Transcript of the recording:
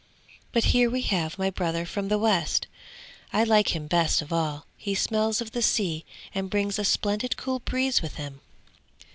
'But here we have my brother from the west; I like him best of all; he smells of the sea and brings a splendid cool breeze with him!'